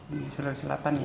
di sulawesi selatan ya